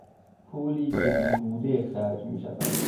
پولی که بیهوده خرج میشود